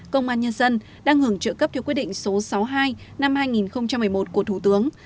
công an nhân dân đang hưởng trợ cấp theo quyết định số sáu mươi hai năm hai nghìn một mươi một của thủ tướng